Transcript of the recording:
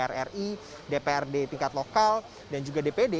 dpr ri dprd tingkat lokal dan juga dpd